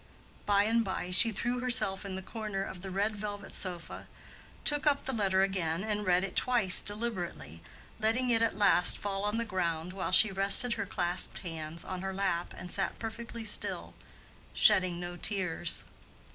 By and by she threw herself in the corner of the red velvet sofa, took up the letter again and read it twice deliberately, letting it at last fall on the ground, while she rested her clasped hands on her lap and sat perfectly still, shedding no tears.